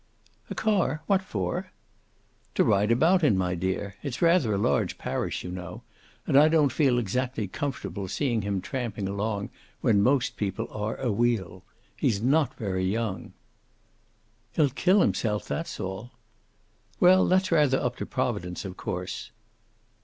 "A car? What for?" "To ride about in, my dear. It's rather a large parish, you know. And I don't feel exactly comfortable seeing him tramping along when most people are awheel. He's not very young." "He'll kill himself, that's all." "Well, that's rather up to Providence, of course."